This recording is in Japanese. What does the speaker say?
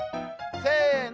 せの！